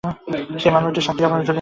সেই মামলাটিও সাক্ষীর অভাবে ঝুলে আছে।